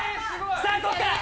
さあここから！